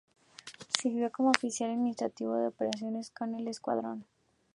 Sirvió como Oficial Administrativo y de Operaciones con el escuadrón.